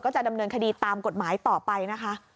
จะดำเนินคดีตามกฎหมายต่อไปนะคะ